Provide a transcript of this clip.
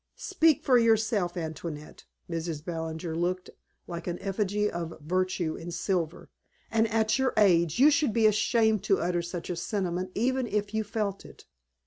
"Speak for yourself, Antoinette." Mrs. Ballinger looked like an effigy of virtue in silver. "And at your age you should be ashamed to utter such a sentiment even if you felt it."